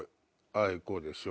あいこでしょ。